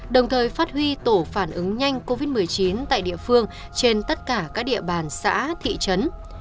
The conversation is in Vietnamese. đồng thời phát huy tổ phản ứng nhanh covid một mươi chín tại địa phương trên tất cả các địa bàn xã thị trấn